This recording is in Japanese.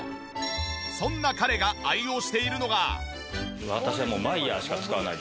そんな彼が愛用しているのが。